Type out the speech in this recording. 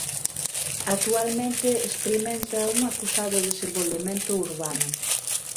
Actualmente experimenta un acusado desenvolvemento urbano.